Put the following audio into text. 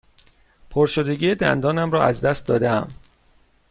پرشدگی دندانم را از دست داده ام.